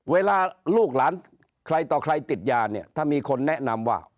เวลาลูกหลานใครต่อใครติดยาเนี่ยถ้ามีคนแนะนำว่า